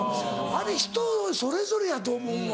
あれ人それぞれやと思うわ。